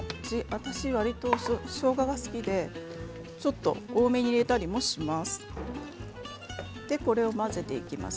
私、わりと、しょうがが好きでちょっと多めに入れたりもします。